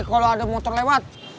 kalau ada motor lewat